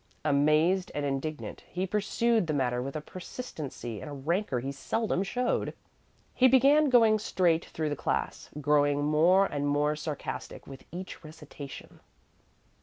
Amazed and indignant, he pursued the matter with a persistency and a rancor he seldom showed. He began going straight through the class, growing more and more sarcastic with each recitation.